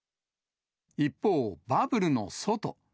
一方、バブルの外。